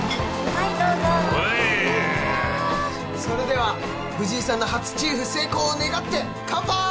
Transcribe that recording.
それでは藤井さんの初チーフ成功を願って乾杯！